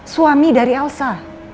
suami dari elsa